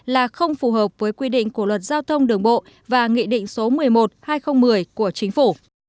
là không phù hợp với quy định của luật giao thông đường bộ và nghị định số một mươi một hai nghìn một mươi của chính phủ